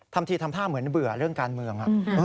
ทำทีทำท่าเหมือนเบื่อเรื่องการเมือง